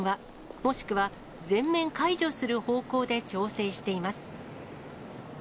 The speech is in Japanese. もしくは全面解除する方向で調整しています。